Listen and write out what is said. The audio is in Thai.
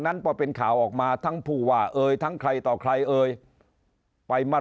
นั้นพอเป็นข่าวออกมาทั้งผู้ว่าเอ่ยทั้งใครต่อใครเอ่ยไปมา